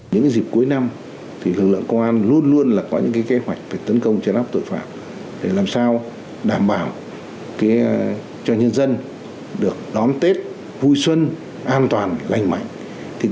những dịp cuối năm lực lượng công an luôn luôn là có những kế hoạch về tấn công chấn áp tội phạm để làm sao đảm bảo cho nhân dân được đón tết vui xuân an toàn lành mạnh